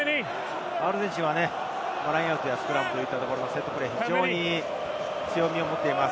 アルゼンチンはラインアウト、スクラムのセットプレーに強みを持っています。